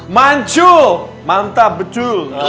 mancul mantap betul